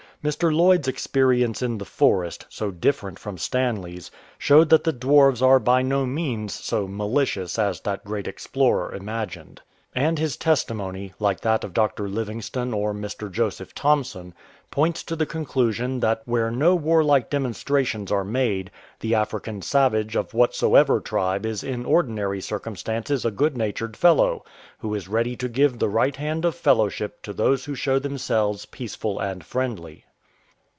Mr. Lloyd's experience in the forest, so different from Stanley's, showed that the dwarfs are by no means so "malicious'" as that great explorer imagined. And his testimony, like that of Dr. Livingstone or Mr. Joseph Thomson, points to the conclusion that where no warlike demonstrations are made, the African savage of whatsoever tribe is in ordin ary circumstances a good natured fellow, who is ready to give the right hand of fellowship to those who show themselves peaceful and friendly.